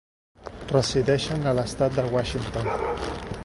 Resideixen a l'estat de Washington.